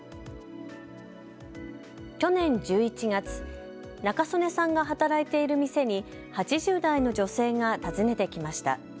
去年１１月、仲宗根さんが働いている店に８０代の女性が訪ねてきました。